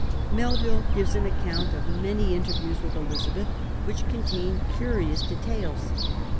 Melville gives an account of many interviews with Elizabeth which contain curious details.